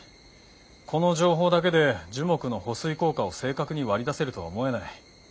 この情報だけで樹木の保水効果を正確に割り出せるとは思えない。